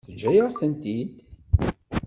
Teǧǧa-yaɣ-tent-id.